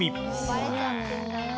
バレちゃってるんだな。